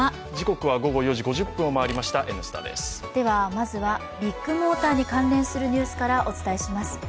まずはビッグモーターに関連するニュースからお伝えします。